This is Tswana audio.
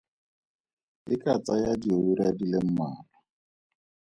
E ka tsaya diura di le mmalwa.